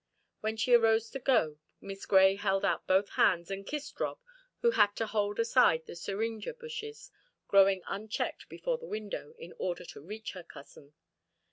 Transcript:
When she arose to go Miss Grey held out both hands and kissed Rob, who had to hold aside the syringa bushes growing unchecked before the window, in order to reach her cousin.